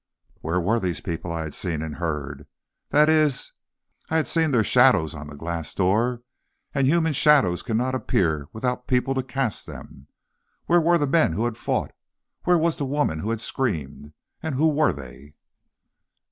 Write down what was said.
Where were the people I had seen and heard? That is, I had seen their shadows on the glass door, and human shadows cannot appear without people to cast them. Where were the men who had fought? Where was the woman who had screamed? And who were they?